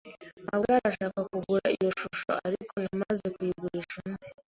mabwa arashaka kugura iyo shusho, ariko namaze kuyigurisha undi.